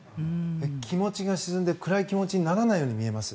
気持ちが沈んで暗い気持ちにならないように見えます。